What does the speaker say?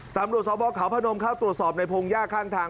ตำรวจสบขาวพนมเข้าตรวจสอบในพงหญ้าข้างทาง